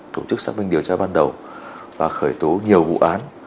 tổ chức xác minh điều tra ban đầu và khởi tố nhiều vụ án